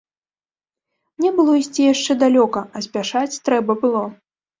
Мне было ісці яшчэ далёка, а спяшаць трэба было.